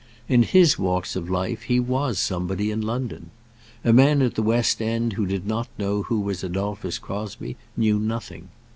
In his walks of life he was somebody in London. A man at the West End who did not know who was Adolphus Crosbie knew nothing.